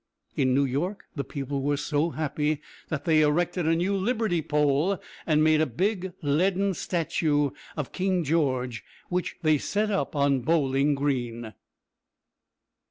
In New York the people were so happy that they erected a new liberty pole, and made a big leaden statue of King George, which they set up on Bowling Green.